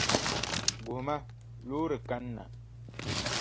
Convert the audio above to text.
Guhima, loori kanna.